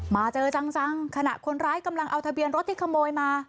มาเจอจังขณะคนร้ายกำลังเอาทะเบียนรถที่ขโมยมา